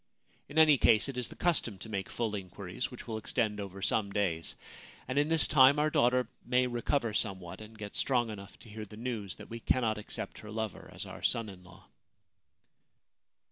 In any case, it is the custom to make full inquiries, which will extend over some days ; and in this time our daughter may recover somewhat and get strong enough to hear the news that we cannot accept her lover as our son in law.'